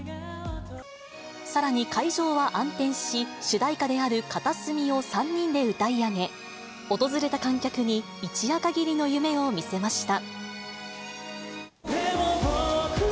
さらに会場は暗転し、主題歌である片隅を３人で歌い上げ、訪れた観客に一夜かぎりの夢を見せました。